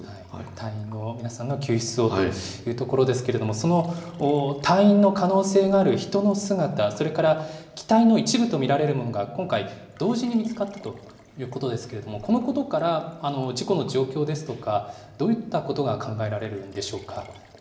隊員の皆さんの救出をというところですけれども、その隊員の可能性がある人の姿、それから機体の一部と見られるものが、今回、同時に見つかったということですけれども、このことから、事故の状況ですとか、どういったことが考えられるんでしょうか。